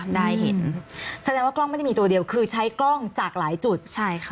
ได้เห็นแสดงว่ากล้องไม่ได้มีตัวเดียวคือใช้กล้องจากหลายจุดใช่ค่ะ